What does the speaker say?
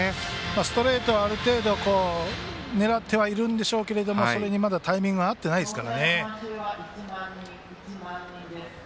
ストレートをある程度狙ってはいるんでしょうがそれにまだタイミングが合ってないですからね。